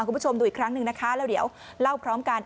คุณผู้ชมดูอีกครั้งหนึ่งนะคะแล้วเดี๋ยวเล่าพร้อมกัน